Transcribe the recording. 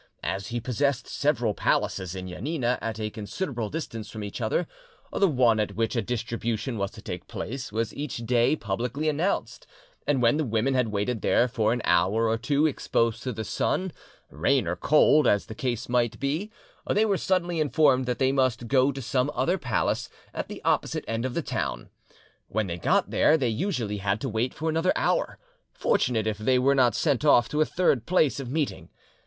As he possessed several palaces in Janina at a considerable distance from each other, the one at which a distribution was to take place was each day publicly announced, and when the women had waited there for an hour or two, exposed to sun, rain or cold, as the case might be, they were suddenly informed that they must go to some other palace, at the opposite end of the town. When they got there, they usually had to wait for another hour, fortunate if they were not sent off to a third place of meeting.